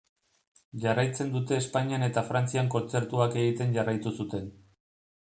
Jarraitzen dute Espainian eta Frantzian kontzertuak egiten jarraitu zuten.